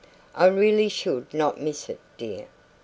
"I really should not miss it, dear.